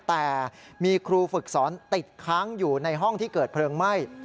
แต่มีครูฝึกสอนติดค้างอยู่ในห้องที่เกิดเพลิงไหม้